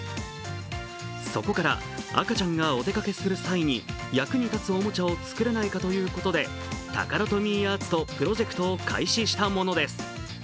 そこから赤ちゃんがお出かけする際に役に立つおもちゃを作れないかということでタカラトミーアーツとプロジェクトを開始したものです。